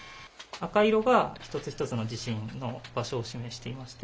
赤色が一つ一つの地震の場所を示していまして。